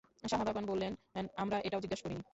সাহাবাগণ বললেনঃ আমরা এটাও জিজ্ঞেস করিনি।